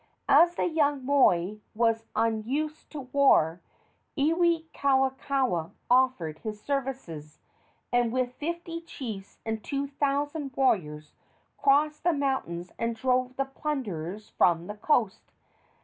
As the young moi was unused to war, Iwikauikaua offered his services, and with fifty chiefs and two thousand warriors crossed the mountains and drove the plunderers from the coast.